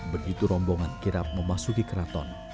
begitu rombongan kirap memasuki keraton